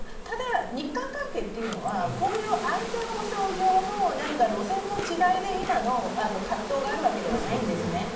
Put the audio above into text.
ただ、日韓関係というのはこういう安全保障上の路線の違いで今の葛藤があるわけではないんですね。